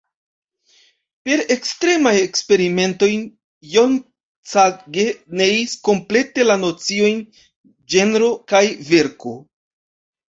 Per ekstremaj eksperimentoj John Cage neis komplete la nociojn ĝenro kaj verko.